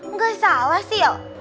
nggak salah sil